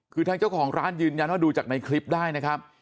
คือทางเจ้าของร้านยืนยันว่าดูจากในคลิปได้นะครับ